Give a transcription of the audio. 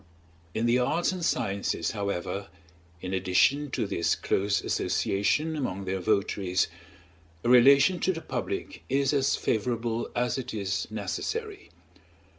In the arts and sciences, however, in addition to this close association among their votaries, a relation to the public is as favorable as it is necessary.